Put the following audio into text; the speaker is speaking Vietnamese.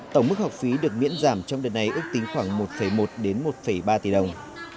tổng mức học phí được miễn giảm trong đợt này ước tính khoảng một một đến một ba tỷ đồng